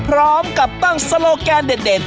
พร้อมกับตั้งโซโลแกนเด็ด